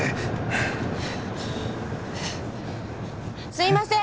すいません！